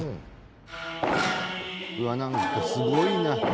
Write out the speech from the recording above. うわっなんかすごいな。